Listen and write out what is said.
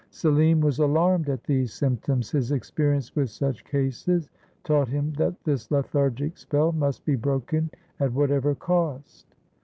Selim was alarmed at these symptoms. His experience with such cases taught him that this lethargic spell must be broken at whatever cost.